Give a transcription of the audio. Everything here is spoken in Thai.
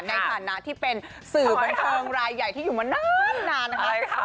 ในฐานะที่เป็นสื่อบันเทิงรายใหญ่ที่อยู่มานานนะคะ